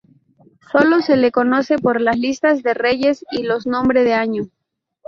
Sólo se le conoce por las listas de reyes y los nombre de año.